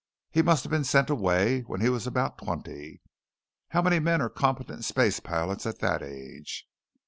He must have been sent away when he was about twenty. How many men are competent space pilots at that age?"